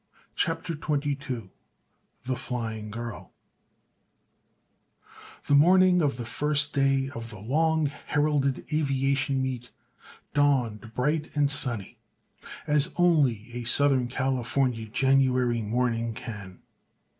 CHAPTER XXII THE FLYING GIRL The morning of the first day of the long heralded aviation meet dawned bright and sunny, as only a Southern California January morning can.